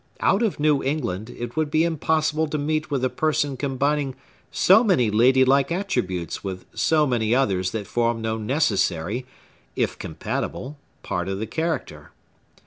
Out of New England, it would be impossible to meet with a person combining so many ladylike attributes with so many others that form no necessary (if compatible) part of the character.